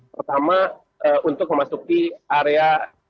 pertama untuk memasuki area